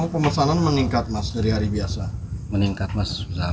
pemesanan meningkat mas dari hari biasa